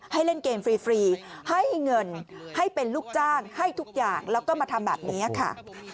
ให้เล่นเกมฟรีให้เงินให้เป็นลูกจ้างให้ทุกอย่างแล้วก็มาทำแบบนี้ค่ะ